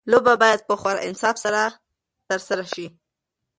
لوبه باید په خورا انصاف سره ترسره شي.